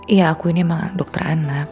iya aku ini emang dokter anak tapi